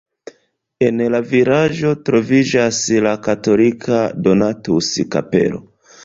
En la vilaĝo troviĝas la katolika Donatus-kapelo.